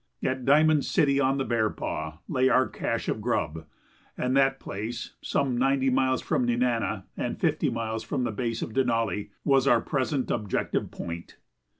At Diamond City, on the Bearpaw, lay our cache of grub, and that place, some ninety miles from Nenana and fifty miles from the base of Denali, was our present objective point.